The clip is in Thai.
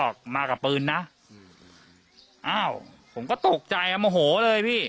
ออกมากับปืนนะอืมอ้าวผมก็ตกใจอ่ะโมโหเลยพี่